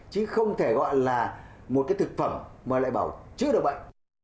chứ không thể gọi là một cái thực phẩm mà lại bảo chữa được bệnh